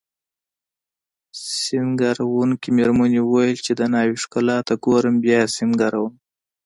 سینګاروونکې میرمنې وویل چې د ناوې ښکلا ته ګورم بیا یې سینګاروم